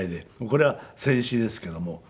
これは戦死ですけども。